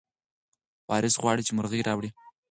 وارث غواړي چې مرغۍ راوړي.